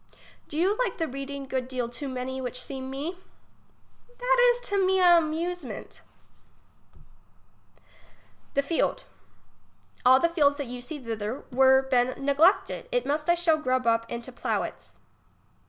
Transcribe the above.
Do you like the reading good deal too many which seem mc ? That is to me a amusement 44 English as she is spoke. ^thefield. All the fields that you see thither were been neglected ; it must I shall grub up and to plough its.